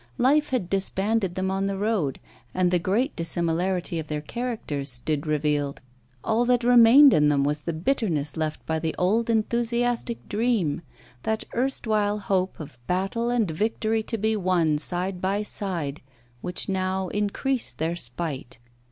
Life had disbanded them on the road, and the great dissimilarity of their characters stood revealed; all that remained in them was the bitterness left by the old enthusiastic dream, that erstwhile hope of battle and victory to be won side by side, which now increased their spite.